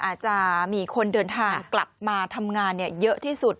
อาจจะมีคนเดินทางกลับมาทำงานเยอะที่สุด